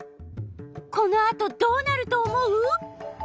このあとどうなると思う？